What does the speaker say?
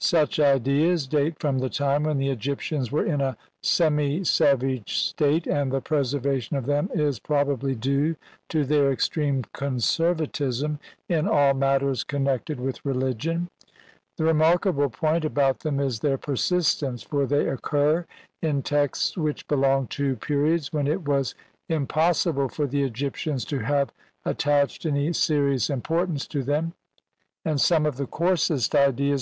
Such ideas date from the time when the Egyptians were in a semi savage state, and the preservation of them is pro bably due to their extreme conservatism in all mat ters connected with religion ; the remarkable point about them is their persistence, for they occur in texts which belong to periods when it was impossible for the Egyptians to have attached any serious im portance to them, and some of the coarsest ideas THE ELY SI AN FIELDS OR HEAVEN.